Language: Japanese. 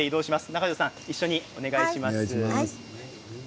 仲門さん一緒にお願いします。